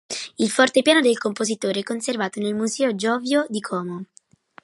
Il fortepiano del compositore è conservato nel Museo Giovio di Como.